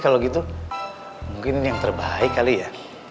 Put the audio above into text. kalau gitu mungkin yang terbaik kali ya